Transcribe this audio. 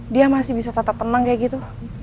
dia masih bisa tetap tenang kayak gitu